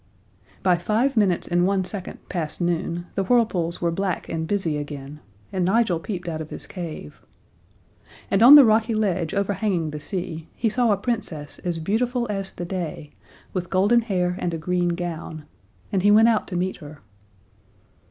By five minutes and one second past noon, the whirlpools were black and busy again, and Nigel peeped out of his cave. And on the rocky ledge overhanging the sea he saw a Princess as beautiful as the day, with golden hair and a green gown and he went out to meet her.